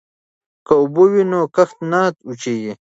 که اوبه وي نو کښت نه وچيږي.